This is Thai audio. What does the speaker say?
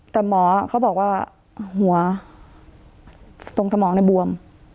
แต่หมอเขาบอกว่าหัวตรงสมองในบวม